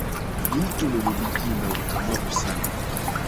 Ni mtu mwenye bidii na ukakamavu sana